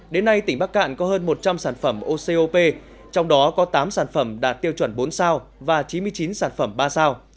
đến nay tỉnh bắc cạn có hơn một trăm linh sản phẩm ocop trong đó có tám sản phẩm đạt tiêu chuẩn bốn sao và chín mươi chín sản phẩm ba sao